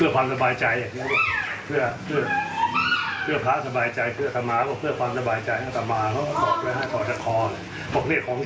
ประวัติภาพของสวัสดีโทษทองคฤศรณา